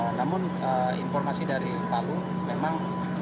namun informasi dari palu memang